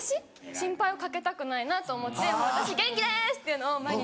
心配をかけたくないなと思って「私元気です」っていうのを毎日。